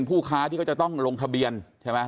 ผู้ค้าที่เขาจะต้องลงทะเบียนใช่ไหม